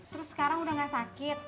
terus sekarang udah gak sakit